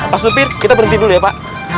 pak supir kita berhenti dulu ya pak